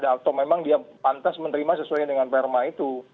atau memang dia pantas menerima sesuai dengan perma itu